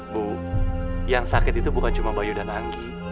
bu yang sakit itu bukan cuma bayu dan anggi